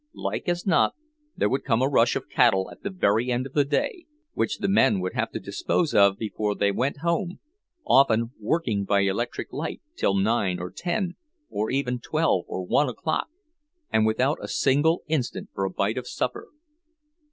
Like as not there would come a rush of cattle at the very end of the day, which the men would have to dispose of before they went home, often working by electric light till nine or ten, or even twelve or one o'clock, and without a single instant for a bite of supper.